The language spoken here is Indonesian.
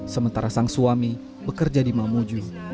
sementara sang suami bekerja di mamuju